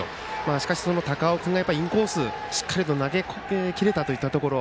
しかし、高尾君インコースをしっかり投げきれたといったところ。